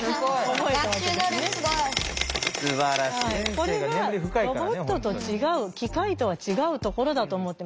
これがロボットと違う機械とは違うところだと思ってます。